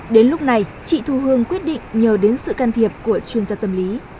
đến lúc này chị thu hương quyết định nhờ đến sự can thiệp của chuyên gia tâm lý